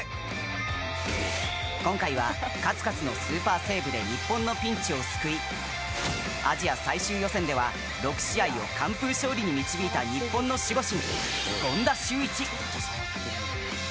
今回は、数々のスーパーセーブで日本のピンチを救いアジア最終予選では６試合を完封勝利に導いた日本の守護神、権田修一！